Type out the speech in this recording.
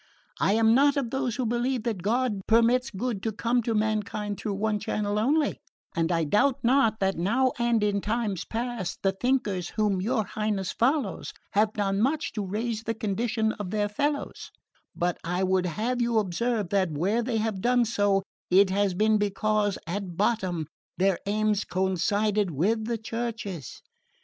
I am not of those who believe that God permits good to come to mankind through one channel only, and I doubt not that now and in times past the thinkers whom your Highness follows have done much to raise the condition of their fellows; but I would have you observe that, where they have done so, it has been because, at bottom, their aims coincided with the Church's.